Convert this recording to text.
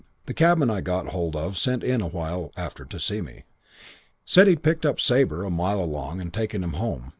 That cabman I'd got hold of sent in awhile after to see me. Said he'd picked up Sabre a mile along and taken him home.